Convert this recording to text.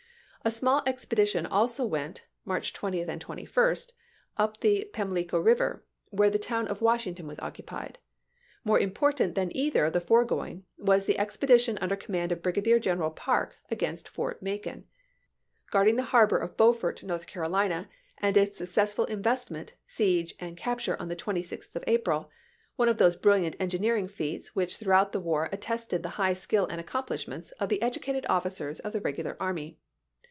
A small expedition also went Nov. % ises! (March 20, 21) up the Pamlico Eiver, where the Repo'"*' ' town of Washington was occupied. More impor "^^^^ J^^ tant than either of the foregoing was the ex p ^'^''• pedition under command of Brigadier Greneral Parke against Fort Macon: guarding the harbor of Beaufort, North Carolina, and its successful Report, investment, siege, and capture on the 26th of ^'^w^r.^*'^' April — one of those briUiant engineering feats pp. isi m. which throughout the war attested the high skill and accomplishments of the educated officers of the regular army.